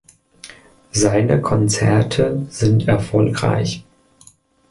Seine Konzerte sind erfolgreich.